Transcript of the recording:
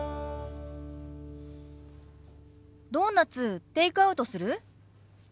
ドーナツテイクアウトする？